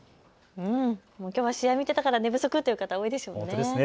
きょうは試合見てたから寝不足っていう方多いでしょうね。